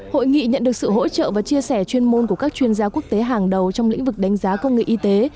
hội nghị nhận được sự hỗ trợ và chia sẻ chuyên môn của các chuyên gia quốc tế hàng đầu trong lĩnh vực đánh giá công nghệ y tế